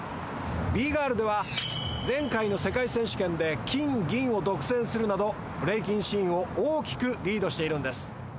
Ｂ−ＧＩＲＬでは前回の世界選手権で金・銀を独占するなどブレイキンシーンを大きくリードしているんです。